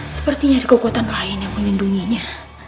sepertinya ada kekuatan lain yang melindunginya